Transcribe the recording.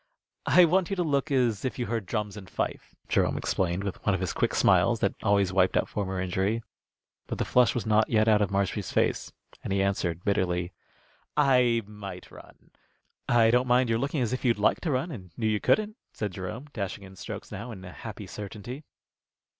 "I want you to look as if you heard drums and fife," Jerome explained, with one of his quick smiles, that always wiped out former injury. But the flush was not yet out of Marshby's face, and he answered, bitterly, "I might run." "I don't mind your looking as if you'd like to run and knew you couldn't," said Jerome, dashing in strokes now in a happy certainty.